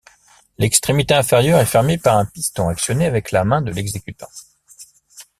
L'extrémité inférieure est fermée par un piston actionné avec la main de l'exécutant.